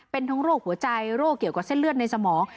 เป็นทั้งโรคหัวใจโรคเกี่ยวกับเส้นเลือดในสมอง